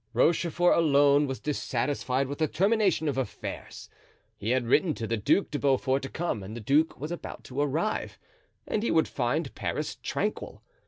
Rochefort alone was dissatisfied with the termination of affairs. He had written to the Duc de Beaufort to come and the duke was about to arrive, and he would find Paris tranquil.